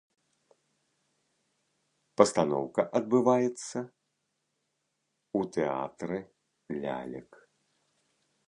Пастаноўка адбываецца у тэатры лялек.